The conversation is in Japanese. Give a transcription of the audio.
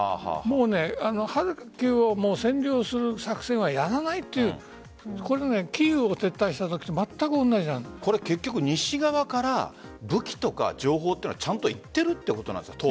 ハルキウを占領する作戦はやらないというキーウを撤退したときと結局、西側から武器とか情報はちゃんと行っているということなんですか？